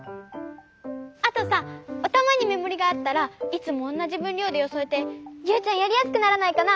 あとさおたまにめもりがあったらいつもおんなじぶんりょうでよそえてユウちゃんやりやすくならないかな？